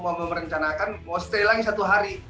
mau memerencanakan mau stay lagi satu hari